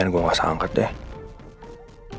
karena saya sudah mengangkat telpon